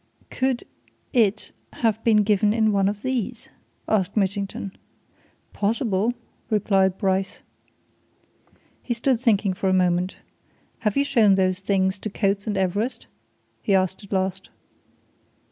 "Could it! have been given in one of these?" asked Mitchington. "Possible," replied Bryce. He stood thinking for a moment. "Have you shown those things to Coates and Everest?" he asked at last.